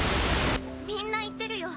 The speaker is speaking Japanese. みんな言ってるよ。